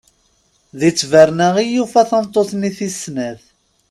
Di tberna i yufa tameṭṭut-nni tis snat.